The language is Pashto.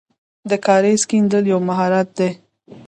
د کاریز کیندل یو مهارت دی.